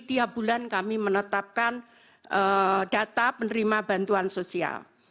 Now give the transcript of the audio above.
tiap bulan kami menetapkan data penerima bantuan sosial